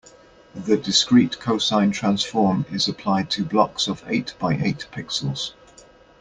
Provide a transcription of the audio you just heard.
The discrete cosine transform is applied to blocks of eight by eight pixels.